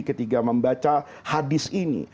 ketika membaca hadis ini